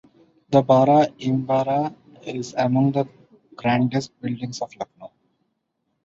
The Bara Imambara is among the grandest buildings of Lucknow.